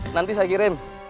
nanti saya kirim